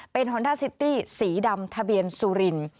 เป็นฮอนด้าซิตี้สีดำทะเบียนสุริน